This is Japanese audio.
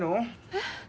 えっ？